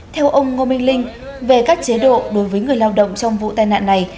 theo ông ngô minh linh về các chế độ đối với người lao động trong vụ tai nạn này